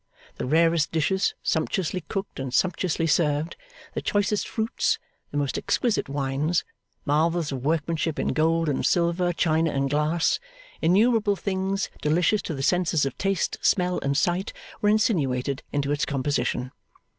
The rarest dishes, sumptuously cooked and sumptuously served; the choicest fruits; the most exquisite wines; marvels of workmanship in gold and silver, china and glass; innumerable things delicious to the senses of taste, smell, and sight, were insinuated into its composition.